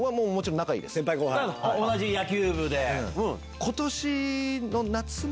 同じ野球部で。